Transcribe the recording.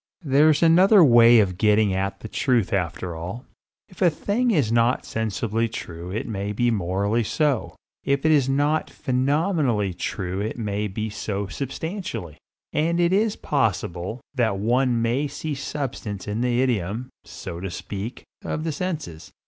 There's another way of getting at the truth after all. If a thing is not sensibly true it may be morally so. If it is not phenomenally true it may be so substantially. And it is possible that one may see substance in the idiom, so to speak, of the senses.